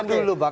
nanti dulu bang